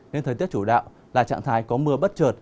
nên thời tiết chủ đạo là trạng thái có mưa bất trợt